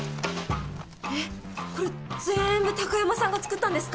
えっこれ全部貴山さんが作ったんですか？